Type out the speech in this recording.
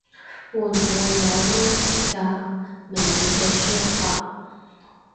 會唔會有撈詞㗎？微軟嘅輸入法